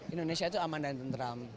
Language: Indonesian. indonesia itu aman dan tentram